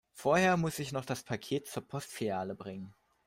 Vorher muss ich noch das Paket zur Postfiliale bringen.